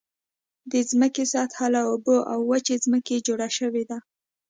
د ځمکې سطحه له اوبو او وچې ځمکې جوړ شوې ده.